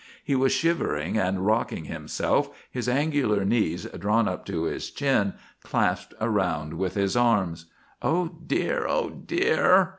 He was shivering and rocking himself, his angular knees drawn up to his chin, clasped around with his arms. "Oh, dear! Oh, dear!"